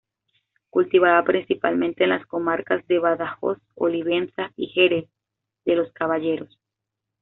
Cultivada principalmente en las comarcas de Badajoz, Olivenza y Jerez de los Caballeros.